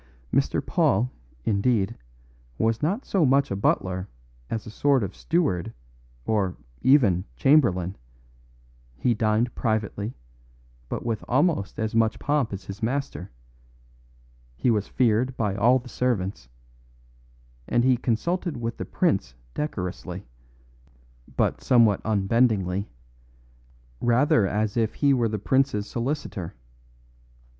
Mr. Paul, indeed, was not so much a butler as a sort of steward or, even, chamberlain; he dined privately, but with almost as much pomp as his master; he was feared by all the servants; and he consulted with the prince decorously, but somewhat unbendingly rather as if he were the prince's solicitor.